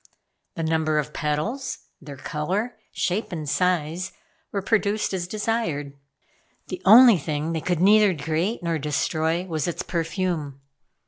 The number of petals, their color, shape and size, were produced as desired. The only thing they could neither create nor destroy was its perfume.